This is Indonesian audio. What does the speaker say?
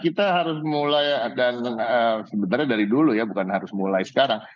kita harus mulai dan sebenarnya dari dulu ya bukan harus mulai sekarang